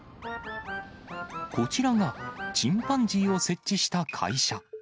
こちらが、チンパンジーを設置した会社。